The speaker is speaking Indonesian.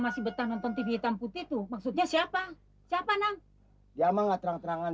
masih betah nonton tv hitam putih tuh maksudnya siapa siapa nang dia mengatakan terang terangan